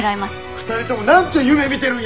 ２人とも何ちゅう夢見てるんや！